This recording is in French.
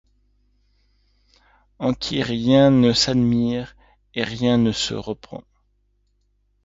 En qui rien ne s’admire et rien ne se repent